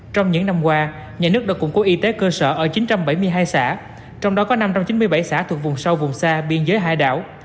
trong những năm qua nhà nước đã củng cố y tế cơ sở ở chín trăm bảy mươi hai xã trong đó có năm trăm chín mươi bảy xã thuộc vùng sâu vùng xa biên giới hai đảo